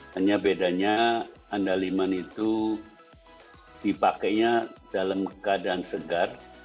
hanya bedanya anda liman itu dipakainya dalam keadaan segar